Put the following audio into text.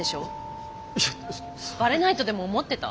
バレないとでも思ってた？